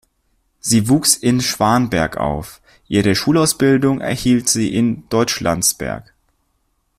Sie wuchs in Schwanberg auf, ihre Schulausbildung erhielt sie in Deutschlandsberg.